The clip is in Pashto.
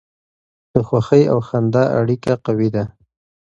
د خوښۍ او خندا اړیکه قوي ده.